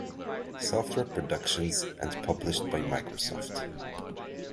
Software Productions and published by Microsoft.